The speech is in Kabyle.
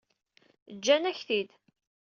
Ǧǧan-ak-t-id.